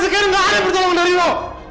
sampai sekarang gak ada pertolongan dari lo